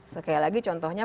sekali lagi contohnya